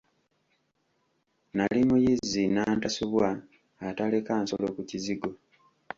Nali muyizzi nnantasubwa ataleka nsolo ku kizigo.